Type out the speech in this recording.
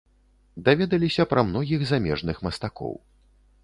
Даведаліся пра многіх замежных мастакоў.